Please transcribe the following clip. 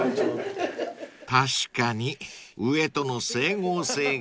［確かに上との整合性が］